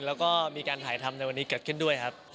แล้วก็มีการถ่ายทำในวันนี้เกิดขึ้นด้วยครับ